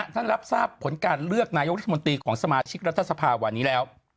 รับทราบผลการเลือกนายกรัฐมนตรีของสมาชิกรัฐสภาวันนี้แล้ว